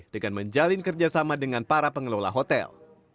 dengan menjalin kerjasama dengan para pengelola hotel